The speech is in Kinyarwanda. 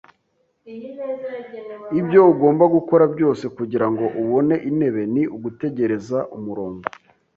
Ibyo ugomba gukora byose kugirango ubone intebe ni ugutegereza umurongo.